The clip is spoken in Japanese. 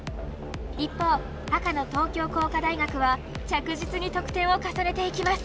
一方赤の東京工科大学は着実に得点を重ねていきます。